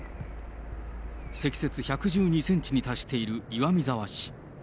積雪１１２センチに達している岩見沢市。